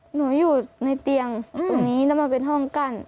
อยู่ในเตียงตรงนี้แล้วมันเป็นห้องกั้น